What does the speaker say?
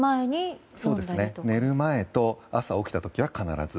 寝る前と朝起きた時は必ず。